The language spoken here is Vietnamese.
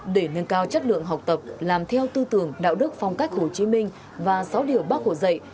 để nâng cao chất lượng học tập làm theo tư tưởng đạo đức phong cách hồ chí minh và sáu điều bác hồ dạy